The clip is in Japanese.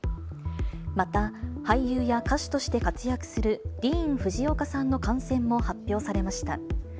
また、俳優や歌手として活躍する、ディーン・フジオカさんの感染も発表されました。